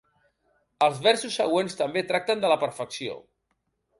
Els versos següents també tracten de la perfecció.